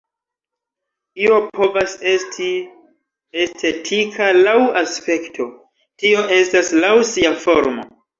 Io povas esti estetika laŭ aspekto, tio estas laŭ sia formo.